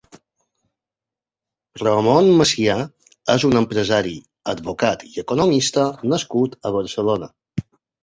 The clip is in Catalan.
Ramon Masià és un empresari, advocat i economista nascut a Barcelona.